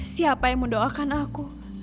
siapa yang mendoakan aku